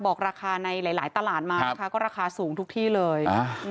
บอกราคาในหลายตลาดมานะคะก็ราคาสูงทุกที่เลย